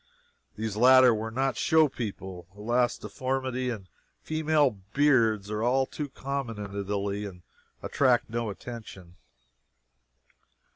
These latter were not show people. Alas, deformity and female beards are too common in Italy to attract attention.